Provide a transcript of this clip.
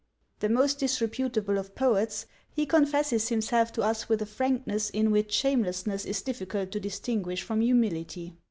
The most disreputable of poets, he confesses himself to us with a frankness in which shamelessness is difficult to distinguish from humility.